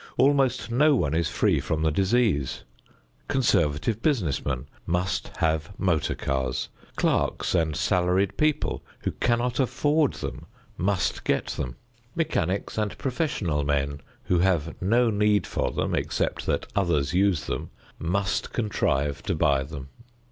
Almost no one is free from the disease. Conservative business men must have motor cars; clerks and salaried people who cannot afford them must get them; mechanics and professional men who have no need for them, except that others use them, must contrive to buy them.